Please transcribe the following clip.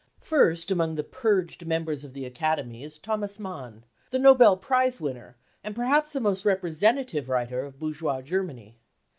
First among the " purged 55 members of the Academy is Thomas Mann, the Nobel Prize winner and perhaps the most representative writer of bourgeois Germany.